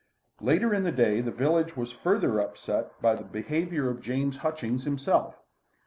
Later in the day the village was further upset by the behaviour of James Hutchings himself.